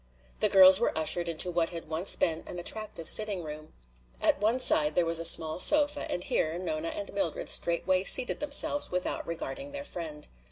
The girls were ushered into what had once been an attractive sitting room. At one side there was a small sofa and here Nona and Mildred straightway seated themselves without regarding their friend.